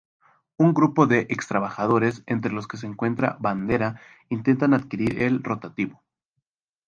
Un grupo de ex-trabajadores, entre los que se encuentra Bandera, intentan adquirir el rotativo.